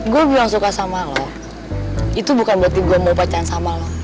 gue bilang suka sama lo itu bukan berarti gue mau bacain sama lo